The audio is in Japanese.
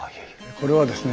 これはですね